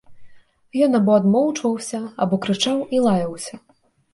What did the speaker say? Ён або адмоўчваўся, або крычаў і лаяўся.